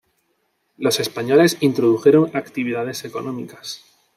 Los españoles introdujeron actividades económicas.